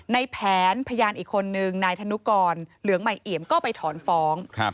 ในแผนพยานอีกคนนึงนายธนุกรเหลืองใหม่เอี่ยมก็ไปถอนฟ้อง